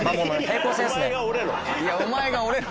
お前が折れろ。